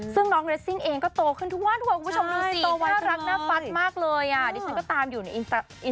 ซึ่งน้องเรสซิ่งเองก็โตขึ้นถุงวันคุณผู้ชมดูสิ